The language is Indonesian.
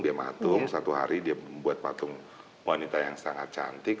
dia matung satu hari dia membuat patung wanita yang sangat cantik